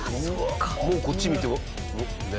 もうこっち見てねえ。